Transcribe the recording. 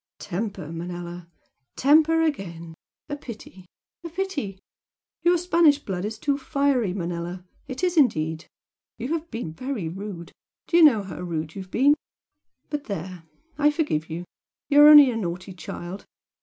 "Temper, Manella! temper again! A pity, a pity! Your Spanish blood is too fiery, Manella! it is indeed! You have been very rude do you know how rude you have been? But there! I forgive you! You are only a naughty child!